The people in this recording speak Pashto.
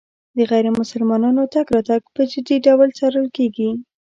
د غیر مسلمانانو تګ راتګ په جدي ډول څارل کېږي.